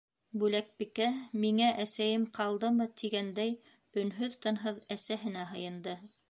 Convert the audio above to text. Бәләкәс Бүләкбикә «миңә әсәйем ҡалдымы», тигәндәй өнһөҙ-тынһыҙ әсәһенә һыйынды.